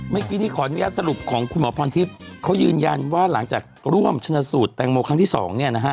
เมื่อกี้นี้ขออนุญาตสรุปของคุณหมอพรทิพย์เขายืนยันว่าหลังจากร่วมชนะสูตรแตงโมครั้งที่สองเนี่ยนะฮะ